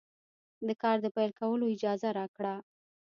د کار د پیل کولو اجازه راکړه.